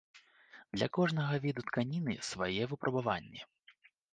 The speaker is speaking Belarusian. Для кожнага віду тканіны свае выпрабаванні.